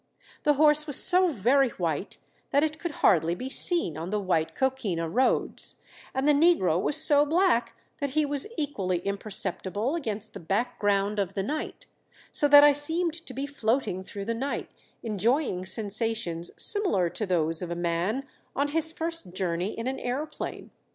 The horse was so very white that it could hardly be seen on the white coquina roads, and the negro was so black that he was equally imperceptible against the background of the night; so that I seemed to be floating through the night enjoying sensations similar to those of a man on his first journey in an aëroplane.